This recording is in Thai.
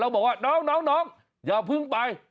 แล้วบอกว่าน้องอย่าเพิ่งไป